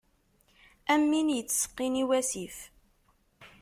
Am win yettseqqin i wasif.